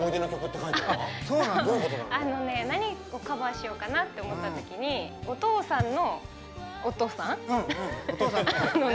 何をカバーしようかなと思ったときにお父さんのお父さんのね。